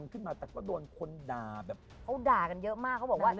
เขาด่ากันเยอะมาก